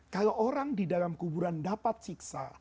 kalau orang di dalam kuburan dapat siksa